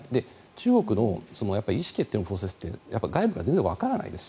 中国の意思決定のプロセスって外部から全然わからないんです。